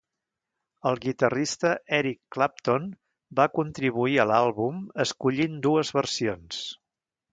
El guitarrista Eric Clapton va contribuir a l'àlbum escollint dues versions.